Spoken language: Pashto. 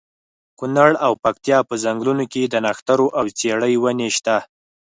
کونړ او پکتیا په ځنګلونو کې د نښترو او څېړۍ ونې شته.